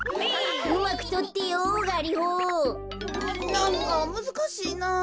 なんかむずかしいな。